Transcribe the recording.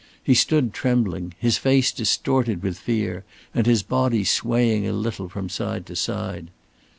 He stood trembling, his face distorted with fear, and his body swaying a little from side to side.